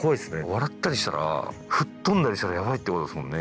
笑ったりしたら吹っ飛んだりしたらヤバいってことですもんね